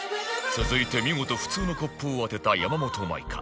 続いて見事普通のコップを当てた山本舞香